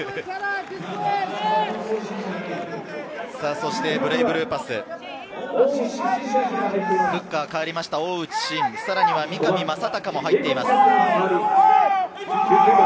そしてブレイブルーパス、フッカー代わりました、大内真、さらには三上正貴も入っています。